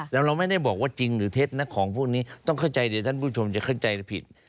แล้วเราไม่ได้บอกว่าจริงหรือเท็จนะของพวกนี้ต้องเข้าใจเดี๋ยวท่านผู้ชมจะเข้าใจผิด